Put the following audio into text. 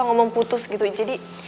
lihat tuh muka lo